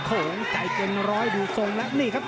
ต้องออกครับอาวุธต้องขยันด้วย